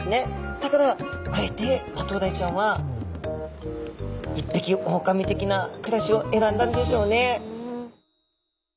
だからあえてマトウダイちゃんは一匹狼的な暮らしを選んだんでしょうね。